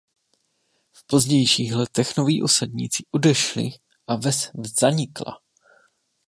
V pozdějších letech noví osadníci odešli a ves zanikla.